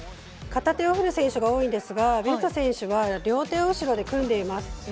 片手を振る選手が多いですがビュスト選手は両手後ろで組んでいます。